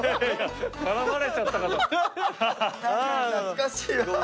懐かしいわ。